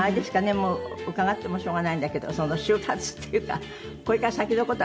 もう伺ってもしょうがないんだけどその終活っていうかこれから先の事はあんまり。